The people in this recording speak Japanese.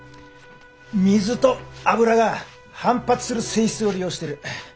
水と油が反発する性質を利用してる。